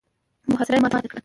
محاصره يې ماته کړه.